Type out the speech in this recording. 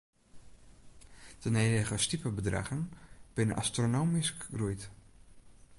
De nedige stipebedraggen binne astronomysk groeid.